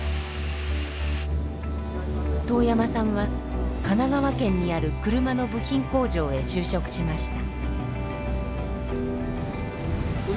當山さんは神奈川県にある車の部品工場へ就職しました。